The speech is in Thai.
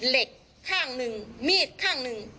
เหล็กข้างหนึ่งมีดข้างหนึ่ง